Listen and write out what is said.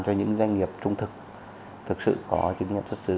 cho những doanh nghiệp trung thực thực sự có chứng nhận xuất xứ